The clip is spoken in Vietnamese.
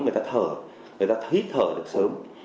người ta thở người ta hít thở được sớm